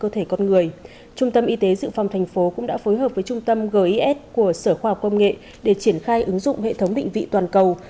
trung tâm y tế dự phòng thành phố cũng đã phối hợp với trung tâm gis của sở khoa học công nghệ để triển khai ứng dụng hệ thống định vị toàn cầu